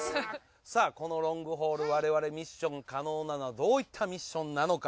さあこのロングホール我々ミッション可能なのはどういったミッションなのか？